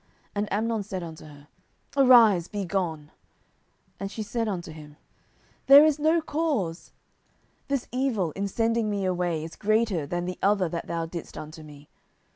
And Amnon said unto her, Arise, be gone. 10:013:016 And she said unto him, There is no cause: this evil in sending me away is greater than the other that thou didst unto me.